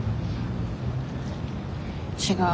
違う。